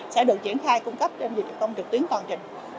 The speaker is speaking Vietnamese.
sẽ được triển khai cung cấp trên dịch vụ công trực tuyến toàn trình